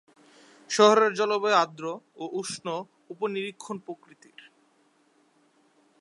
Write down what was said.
শহরের জলবায়ু আর্দ্র ও উষ্ণ উপ-নিরক্ষীয় প্রকৃতির।